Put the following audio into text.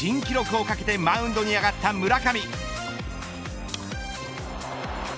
７回、新記録をかけてマウンドに上がった村上。